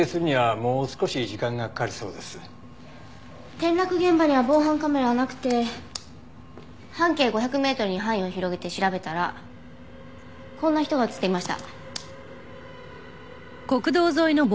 転落現場には防犯カメラはなくて半径５００メートルに範囲を広げて調べたらこんな人が映っていました。